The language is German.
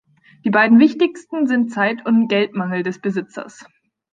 Die beiden wichtigsten sind Zeit- und Geldmangel des Besitzers.